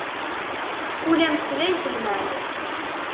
Kul ameslay s lmaɛna-s.